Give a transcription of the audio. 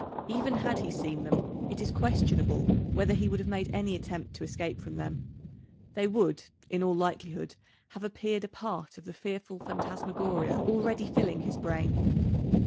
Even had he seen them it is questionable whether he would have made any attempt to escape from them. They would, in all likelihood, have appeared a part of the fearful phantasmagoria already filling his brain.